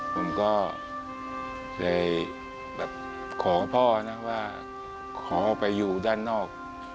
ผมก็เลยแบบขอพ่อนะว่าขอออกไปอยู่ด้านนอก